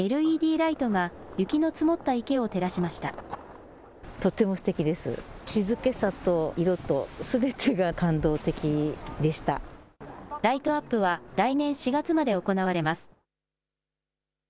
ライトアップは来年４月まで行われます。